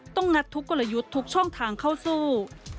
งัดทุกกลยุทธ์ทุกช่องทางเข้าสู้